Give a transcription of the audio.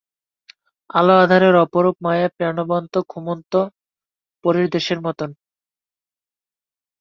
আলো-আঁধারের অপরূপ মায়ায় বনপ্রাস্ত ঘুমন্ত পরীর দেশের মতো।